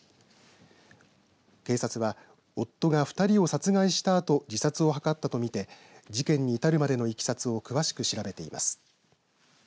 警察は夫が２人を殺害したあと自殺を図ったと見て事件に至るまでのいきさつを詳しく調べています。